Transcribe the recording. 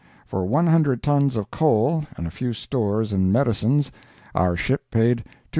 For one hundred tons of coal and a few stores and medicines, our ship paid $2,011.